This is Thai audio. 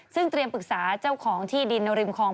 ซึ่งเตรียมปรึกษาเจ้าของที่ดินริมคลอง